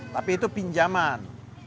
tapi itu pinjaman